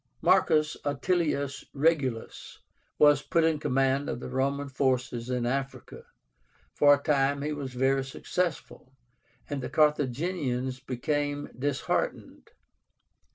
MARCUS ATILIUS REGULUS was put in command of the Roman forces in Africa. For a time he was very successful, and the Carthaginians became disheartened.